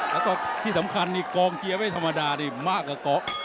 แล้วก็ที่สำคัญนี่กองเกียร์ไม่ธรรมดานี่มากกว่าเกาะ